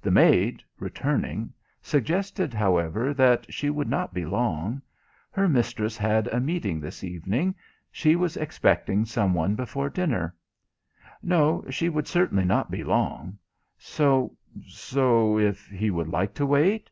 The maid, returning, suggested however, that she would not be long. Her mistress had a meeting this evening; she was expecting some one before dinner; no, she would certainly not be long, so so if he would like to wait?